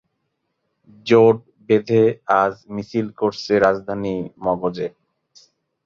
জোট বেঁধে আজ মিছিল করছে রাজধানী মগজে ।